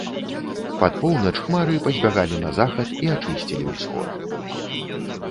Пад поўнач хмары пазбягалі на захад і ачысцілі ўсход.